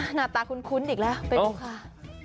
หน้าตาคุ้นอีกแล้วไปดูค่ะ